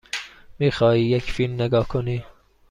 می خواهی یک فیلم نگاه کنی؟